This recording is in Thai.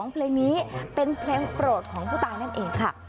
เพลงนี้เป็นเพลงโปรดของผู้ตายนั่นเองค่ะ